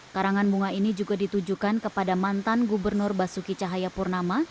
karangan bunga ini juga ditujukan kepada mantan gubernur basuki cahayapurnama